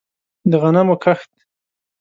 د غنمو کښت